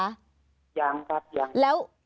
ยังครับยัง